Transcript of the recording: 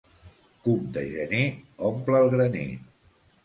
Cuc de gener omple el graner.